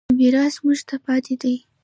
دا میراث موږ ته پاتې دی.